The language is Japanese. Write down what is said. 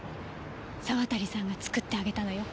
沢渡さんが作ってあげたのよ。